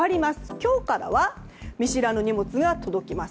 今日からは見知らぬ荷物が届きます。